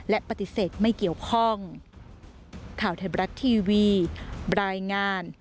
และปฏิเสธไม่เกี่ยวข้อง